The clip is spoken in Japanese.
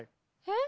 え？